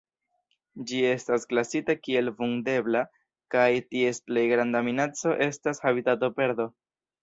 Ĝi estas klasita kiel Vundebla, kaj ties plej granda minaco estas habitatoperdo.